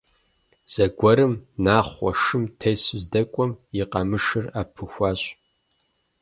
Зэгуэрым, Нахъуэ шым тесу здэкӏуэм, и къамышыр ӏэпыхуащ.